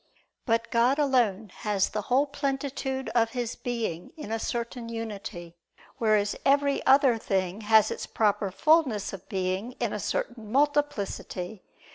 But God alone has the whole plenitude of His Being in a certain unity: whereas every other thing has its proper fulness of being in a certain multiplicity.